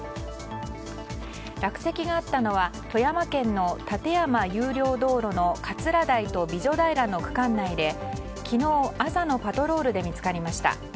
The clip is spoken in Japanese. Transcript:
落石があったのは富山県の立山有料道路の桂台と美女平の区間内で昨日、朝のパトロールで見つかりました。